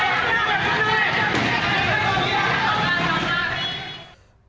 jalan jalan men